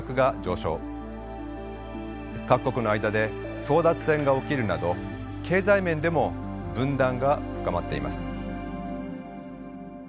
各国の間で争奪戦が起きるなど経済面でも分断が深まっています。